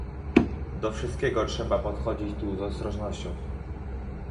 Do wszystkiego trzeba podchodzić tu z ostrożnością